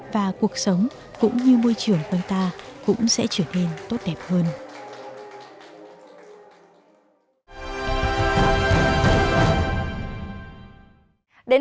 và cuộc sống cũng như môi trường quanh ta cũng sẽ trở nên tốt đẹp hơn